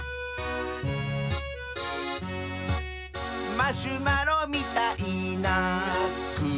「マシュマロみたいなくものした」